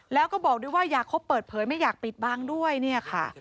แล้วก็บอกด้วยว่าอยากคบเปิดเผยไม่อยากปิดบังด้วยเนี่ยค่ะ